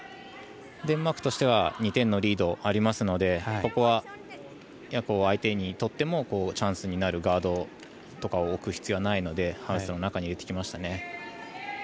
デンマークとしては２点のリードがありますのでここは、相手にとってもチャンスになるガードを置く必要はないのでハウスの中に入れてきましたね。